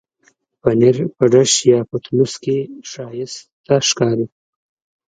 پنېر په ډش یا پتنوس کې ښايسته ښکاري.